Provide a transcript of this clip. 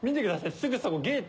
すぐそこ、ゲート。